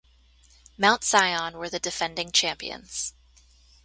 Mount Sion were the defending champions.